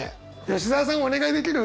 吉澤さんお願いできる？